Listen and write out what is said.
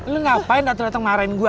lu ngapain dateng dateng marahin gua